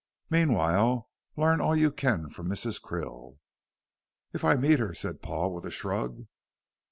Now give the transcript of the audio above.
Meanwhile, learn all you can from Mrs. Krill." "If I meet her," said Paul, with a shrug.